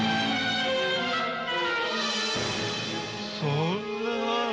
そんな。